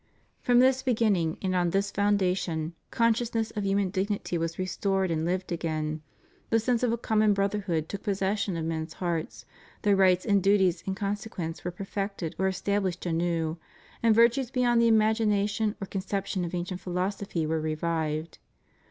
From this beginning and on this foundation consciousness of human dignity was restored and lived again; the sense of a conmion brotherhood took possession of men's hearts; their rights and duties in consequence were perfected or established anew and virtues beyond the imagination or conception of ancient philosophy were revived.